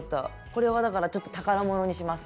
これはだからちょっと宝物にします。